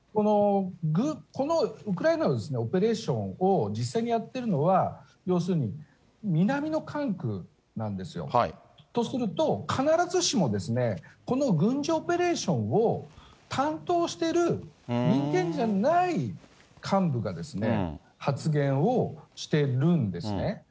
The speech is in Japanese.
このウクライナのオペレーションを実際にやってるのは、要するに南の管区なんですよ。とすると、必ずしもこの軍事オペレーションを担当している人間じゃない幹部が発言をしてるんですね。